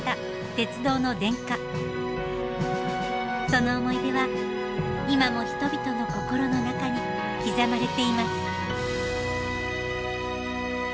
その思い出は今も人々の心の中に刻まれています。